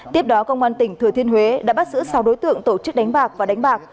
tiếp đó công an tỉnh thừa thiên huế đã bắt giữ sáu đối tượng tổ chức đánh bạc và đánh bạc